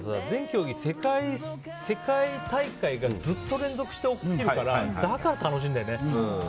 全競技、世界大会がずっと連続して起きるからだから楽しいんだよね。